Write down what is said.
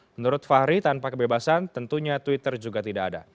menurut fahri tanpa kebebasan tentunya twitter juga tidak ada